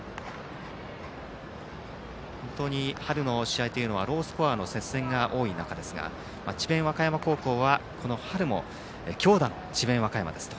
本当に春の試合はロースコアの試合が多いという中で智弁和歌山高校はこの春も強打の智弁和歌山ですと。